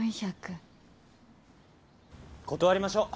断りましょう。